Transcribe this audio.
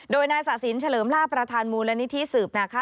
โดยนายสะสินเฉลิมลาบประธานมูลนิธิสืบนะคะ